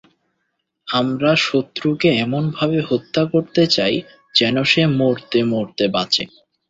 আমরা শত্রুকে এমনভাবে হত্যা করতে চাই, যেন সে মরতে মরতে বাঁচে।